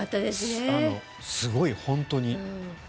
すごい本当に。